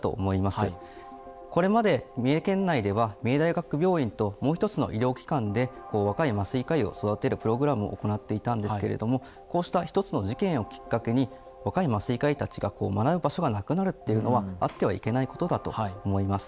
これまで三重県内では三重大学病院ともう一つの医療機関でこう若い麻酔科医を育てるプログラムを行っていたんですけれどもこうした一つの事件をきっかけに若い麻酔科医たちが学ぶ場所がなくなるというのはあってはいけないことだと思います。